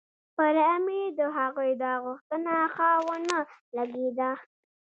پر امیر د هغوی دا غوښتنه ښه ونه لګېده.